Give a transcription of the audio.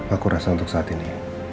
aku rasa untuk saat ini